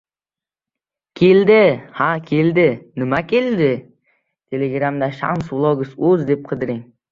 — Keldi, ha, keldi. Nima edi?